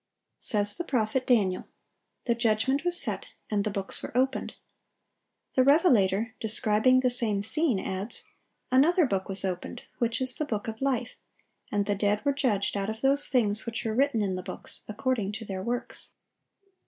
Says the prophet Daniel, "The judgment was set, and the books were opened." The revelator, describing the same scene, adds, "Another book was opened, which is the book of life: and the dead were judged out of those things which were written in the books, according to their works."